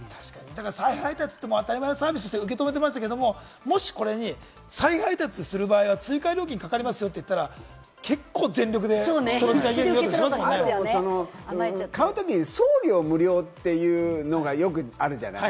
再配達が当たり前のサービスとして受け取ってましたけれども、もしこれ再配達する場合は追加料金かかりますよって言ったら、結構全力でね、その時間に家買うときに送料無料というのがよくあるじゃない？